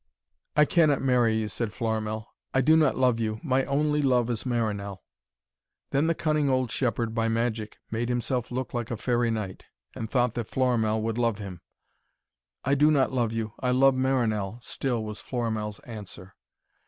'I cannot marry you,' said Florimell. 'I do not love you. My only love is Marinell.' Then the cunning old shepherd by magic made himself look like a fairy knight, and thought that Florimell would love him. 'I do not love you. I love Marinell,' still was Florimell's answer.